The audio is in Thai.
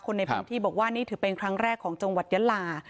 ในพื้นที่บอกว่านี่ถือเป็นครั้งแรกของจังหวัดยะลา